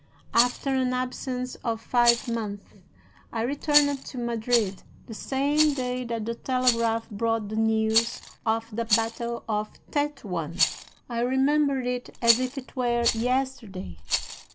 "After an absence of five months I returned to Madrid the same day that the telegraph brought the news of the battle of Tetuan. I remember it as if it were yesterday.